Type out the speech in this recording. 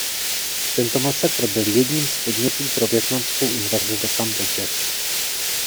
Tento masakr byl jedním z podnětů pro vietnamskou invazi do Kambodže.